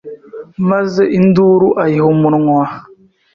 maze induru ayiha amunwa,